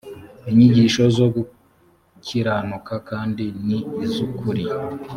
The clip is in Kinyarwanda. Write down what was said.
inyigisho zo gukiranuka kandi ni iz’ukuri